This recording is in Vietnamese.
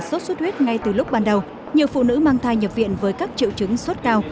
sốt xuất huyết ngay từ lúc ban đầu nhiều phụ nữ mang thai nhập viện với các triệu chứng sốt cao